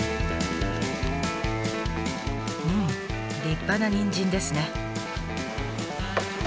立派なにんじんですね。